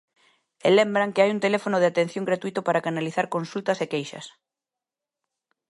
E lembran que hai un teléfono de atención gratuíto para canalizar consultas e queixas.